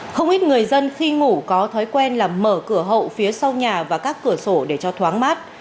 không ít người dân khi ngủ có thói quen là mở cửa hậu phía sau nhà và các cửa sổ để cho thoáng mát